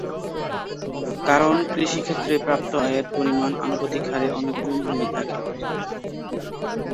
কারণ কৃষিক্ষেত্রে প্রাপ্ত আয়ের পরিমাণ আনুপাতিক হারে অনেক কম হয়ে থাকে।